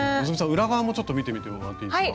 裏側もちょっと見てみてもらっていいですか？